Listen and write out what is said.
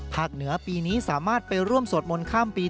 เหนือปีนี้สามารถไปร่วมสวดมนต์ข้ามปี